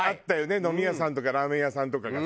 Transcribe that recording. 飲み屋さんとかラーメン屋さんとかがさ。